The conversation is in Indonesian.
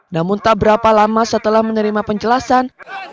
namun tak berapa lama setelah menerima penjelasan